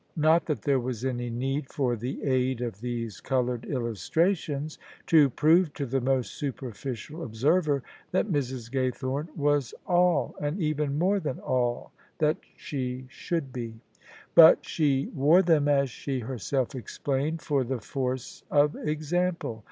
Not that there was any need for the aid of these coloured illustrations to prove to the most superficial observer that Mrs. Gaythome was all — and even more than all — that she should be: but she wore them, as she herself explained, for the force of example.